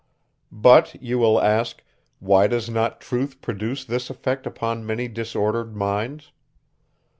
But, you will ask, why does not truth produce this effect upon many disordered minds?